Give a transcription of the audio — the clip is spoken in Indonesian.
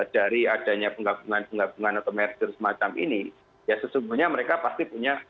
dari adanya penggabungan penggabungan atau merger semacam ini ya sesungguhnya mereka pasti punya